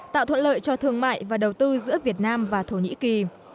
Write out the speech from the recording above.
tạo thuận lợi cho thương mại và đầu tư giữa việt nam và thổ nhĩ kỳ